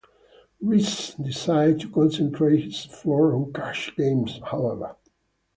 Reese decided to concentrate his efforts on cash games, however.